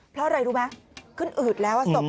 เพราะอะไรรู้ไหมขึ้นอืดแล้วอ่ะศพอ่ะอืม